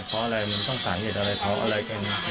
เพราะอะไรมันต้องสาเหตุอะไรเพราะอะไรกัน